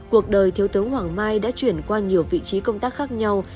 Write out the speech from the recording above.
cuộc đời thiếu tướng hoàng mai đã chuyển qua nhiều vị trí công tác khác nhau